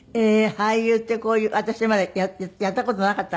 俳優ってこういう私はまだやった事なかったから。